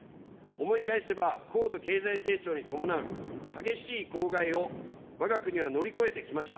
思い返せば高度経済成長に伴う激しい公害をわが国は乗り越えてきました。